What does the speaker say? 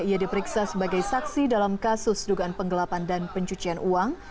ia diperiksa sebagai saksi dalam kasus dugaan penggelapan dan pencucian uang